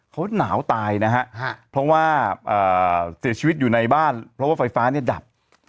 เขาหนาวตายนะฮะเพราะว่าเสียชีวิตอยู่ในบ้านเพราะว่าไฟฟ้าเนี่ยดับ